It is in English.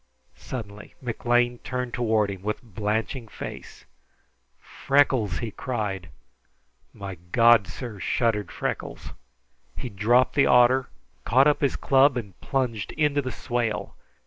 Suddenly McLean turned toward him with blanching face "Freckles!" he cried. "My God, sir!" shuddered Freckles. He dropped the otter, caught up his club, and plunged into the swale.